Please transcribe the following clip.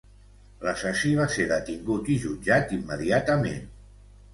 L'assassí va ser detingut i jutjat immediatament.